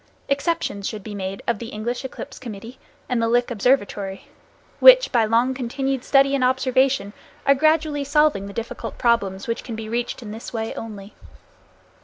Exceptions should be made of the English Eclipse Committee and the Lick Observatory, which, by long continued study and observation, are gradually solving the difficult problems which can be reached in this way only.